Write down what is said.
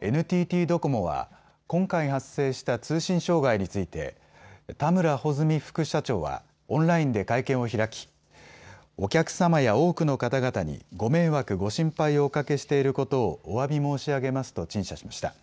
ＮＴＴドコモは今回発生した通信障害について田村穂積副社長はオンラインで会見を開きお客様や多くの方々にご迷惑、ご心配をおかけしていることをおわび申し上げますと陳謝しました。